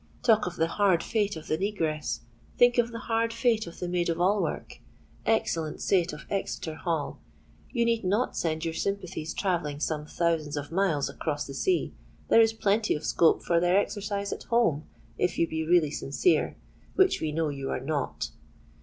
Talk of the hard fate of the negress—think of the hard fate of the maid of all work! Excellent saint of Exeter Hall! you need not send your sympathies travelling some thousands of miles across the sea: there is plenty of scope for their exercise at home, if you be really sincere—which we know you are not!